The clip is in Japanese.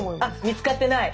見つかってない。